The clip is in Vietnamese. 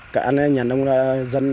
cả nhà nông dân